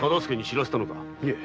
いえ。